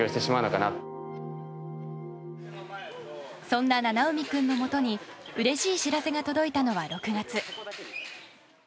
そんな七海君のもとにうれしい知らせが届いたのは６月。